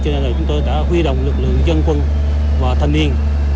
cho nên chúng tôi đã huy động lực lượng dân quân và thanh niên